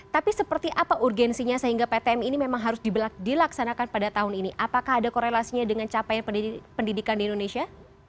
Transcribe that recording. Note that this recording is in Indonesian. tapi seperti apa urgensinya sehingga ptm ini memang harus dilaksanakan pada tahun ini apakah ada korelasinya dengan capaian pendidikan di indonesia